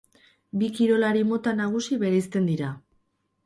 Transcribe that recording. Bi kirolari mota nagusi bereizten dira.